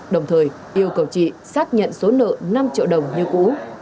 đồng thời yêu cầu chị xác nhận số nợ năm triệu đồng như cũ